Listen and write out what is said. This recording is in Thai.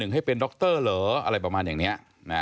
ให้เป็นดรเหรออะไรประมาณอย่างนี้